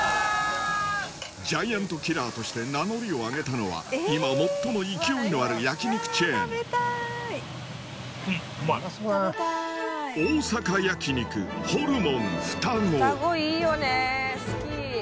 ・ジャイアントキラーとして名乗りを上げたのは今最も勢いのある焼肉チェーンふたごいいよね好き。